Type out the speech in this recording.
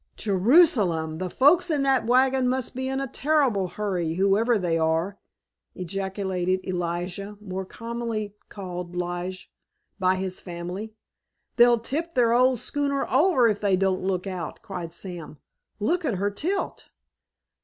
"Jerusalem! the folks in that wagon must be in a terrible hurry, whoever they are!" ejaculated Elijah, more commonly called "Lige" by his family. "They'll tip their old schooner over if they don't look out!" cried Sam. "Look at her tilt!"